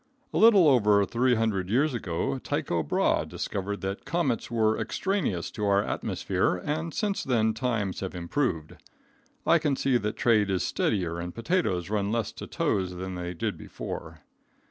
A little over 300 years ago Tycho Brahe discovered that comets were extraneous to our atmosphere, and since then times have improved. I can see that trade is steadier and potatoes run less to tows than they did before.